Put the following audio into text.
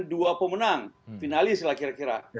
dua pemenang finalis lah kira kira